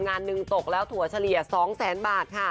งานนึงตกแล้วถั่วเฉลี่ย๒๐๐๐๐๐บาทค่ะ